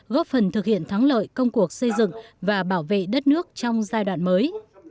góp phần thực hiện thắng lợi công cuộc xây dựng và bảo vệ đất nước trong giai đoạn mới